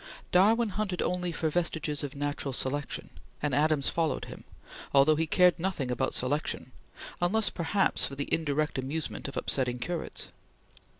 Darwin hunted only for vestiges of Natural Selection, and Adams followed him, although he cared nothing about Selection, unless perhaps for the indirect amusement of upsetting curates.